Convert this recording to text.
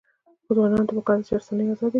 ځوانانو ته پکار ده چې، رسنۍ ازادې کړي.